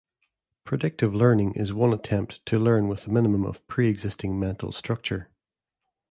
Predictive learning is one attempt to learn with a minimum of pre-existing mental structure.